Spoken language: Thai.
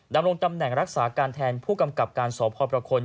ดำรงตำแหน่งรักษาการแทนผู้กำกับการสพประคล